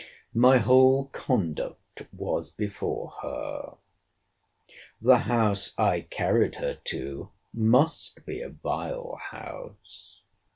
My whole conduct was before her. The house I carried her to must be a vile house.